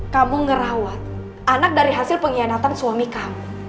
kamu ngerawat anak dari hasil pengkhianatan suami kamu